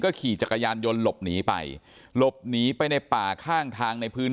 ขี่จักรยานยนต์หลบหนีไปหลบหนีไปในป่าข้างทางในพื้น